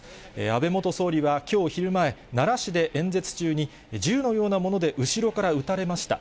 安倍元総理は、きょう昼前、奈良市で演説中に、銃のようなもので後ろから撃たれました。